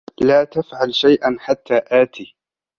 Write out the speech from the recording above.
لا تفعل شيئا حتى آتي.